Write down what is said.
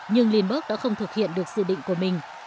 nhưng linhberg đã không thực hiện được dự định của mình